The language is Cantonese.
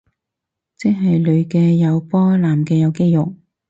即係女嘅有波男嘅有肌肉